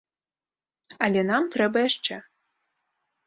Але нам трэба яшчэ.